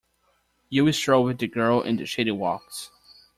You will stroll with the girl in the shady walks.